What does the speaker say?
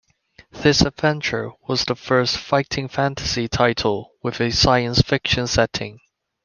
This adventure was the first "Fighting Fantasy" title with a science fiction setting.